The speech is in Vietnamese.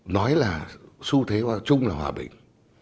nói là xu thế chung là hòa bình